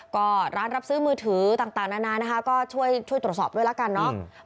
ก็ร้านรับซื้อมือถือต่างนานานะคะก็ช่วยตรวจสอบด้วยละกันเนาะ